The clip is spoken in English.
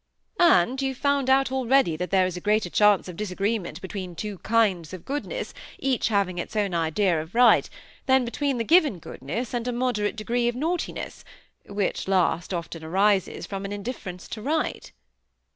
"And you've found out already that there is greater chance of disagreement between two 'kinds of goodness', each having its own idea of right, than between a given goodness and a moderate degree of naughtiness—which last often arises from an indifference to right?"